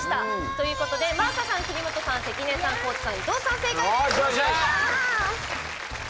ということで真麻さん、国本さん関根さん、高地さん、伊藤さん正解です。